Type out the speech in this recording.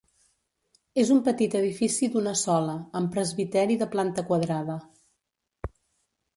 És un petit edifici d'una sola, amb presbiteri de planta quadrada.